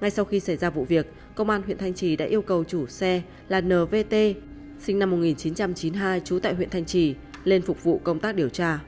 ngay sau khi xảy ra vụ việc công an huyện thanh trì đã yêu cầu chủ xe là nvt sinh năm một nghìn chín trăm chín mươi hai trú tại huyện thanh trì lên phục vụ công tác điều tra